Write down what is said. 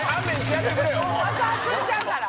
もう爆発しちゃうから。